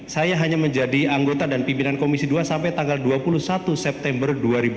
saya hanya menjadi anggota dan pimpinan komisi dua sampai tanggal dua puluh satu september dua ribu dua puluh